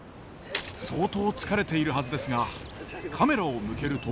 相当疲れているはずですがカメラを向けると。